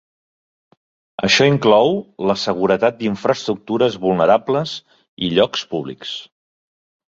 Això inclou la seguretat d'infraestructures vulnerables i llocs públics.